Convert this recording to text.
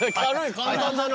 簡単だな。